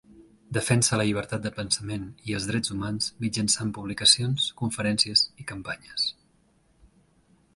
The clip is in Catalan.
Defensa la llibertat de pensament i els drets humans mitjançant publicacions, conferències i campanyes.